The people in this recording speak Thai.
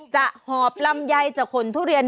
จะหอบลำใยจะขนทุเรียน